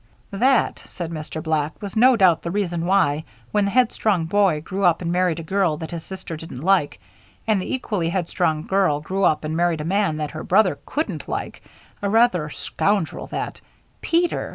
"That," said Mr. Black, "was no doubt the reason why, when the headstrong boy grew up and married a girl that his sister didn't like, and the equally headstrong girl grew up and married a man that her brother couldn't like a regular scoundrel that " "Peter!"